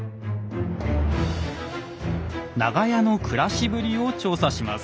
長屋の暮らしぶりを調査します。